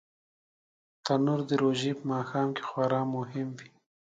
تنور د روژې په ماښام کې خورا مهم وي